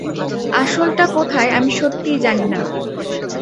আসল টা কোথায় আমি সত্যিই জানি নাহ।